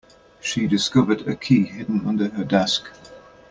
She discovered a key hidden under her desk.